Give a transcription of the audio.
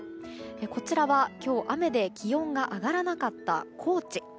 こちらは今日、雨で気温が上がらなかった高知。